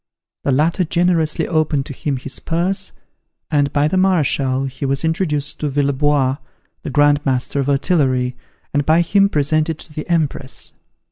The latter generously opened to him his purse and by the Marechal he was introduced to Villebois, the Grand Master of Artillery, and by him presented to the Empress.